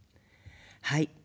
はい。